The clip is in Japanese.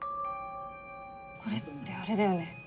これってあれだよね。